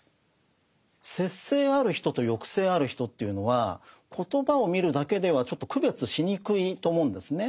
節制ある人と抑制ある人というのは言葉を見るだけではちょっと区別しにくいと思うんですね。